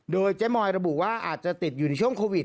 โดยเจ๊มอยระบุว่าอาจจะติดอยู่ในช่วงโควิด